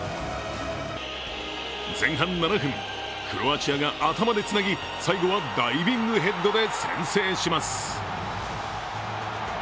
前半７分、クロアチアが頭でつなぎ最後はダイビングヘッドで先制します。